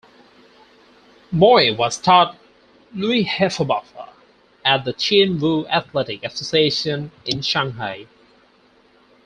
Moy was taught Liuhebafa at the Chin Woo Athletic Association in Shanghai.